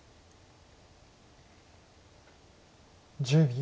１０秒。